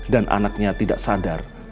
dan anaknya tidak sadar